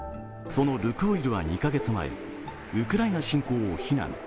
そのルクオイルは２カ月前、ウクライナ侵攻を非難。